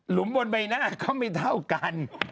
หลุมบนใบหน้าก็ไม่เท่ากัน